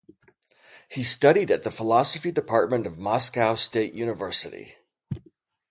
He studied at the philosophy department of Moscow State University.